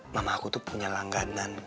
mama aku tuh punya langganan